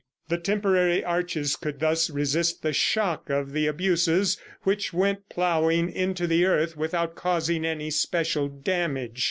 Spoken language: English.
The temporary arches could thus resist the shock of the abuses which went ploughing into the earth without causing any special damage.